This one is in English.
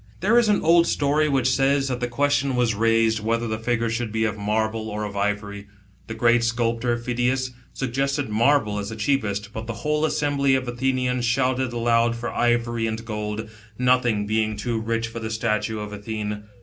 There is an old story which says, that the question was raised, whether the figure should be of marble or of ivory ; the great sculptor Phidias suggested marble as the cheapest, but the whole assembly of Athenians shouted aloud for ivory and gold, nothing being too rich for the statue of Athene.